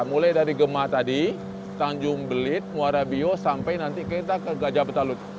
mulai dari gemah tadi tanjung belit muara bios sampai nanti kita ke gajah petalut